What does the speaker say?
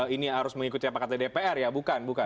ini harus mengikuti apa kata dpr ya bukan bukan